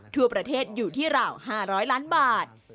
ทั่วประเทศอยู่ที่ราว๕๐๐ล้านบาท